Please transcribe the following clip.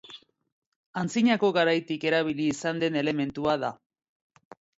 Antzinako garaitik erabili izan den elementua da.